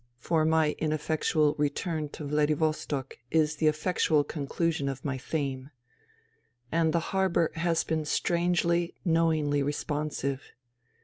For my ineffectual return to Vladi vostok is the effectual conclusion of my theme. And the harbour has been strangely, knowingly responsive.